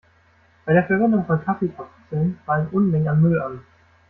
Bei der Verwendung von Kaffeekapseln fallen Unmengen an Müll an.